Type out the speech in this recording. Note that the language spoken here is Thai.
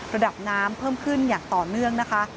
ระดับน้ำเพิ่มขึ้นอย่างต่อเนื่องนะคะ